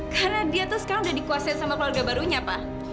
karena dia tuh sekarang udah dikuasai sama keluarga barunya pak